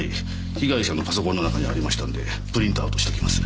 被害者のパソコンの中にありましたのでプリントアウトしときます。